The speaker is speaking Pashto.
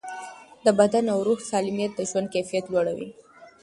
د بدن او روح سالمیت د ژوند کیفیت لوړوي.